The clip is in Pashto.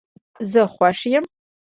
زه خوش یم